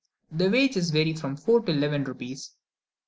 The wages vary from four to eleven rupees (8s.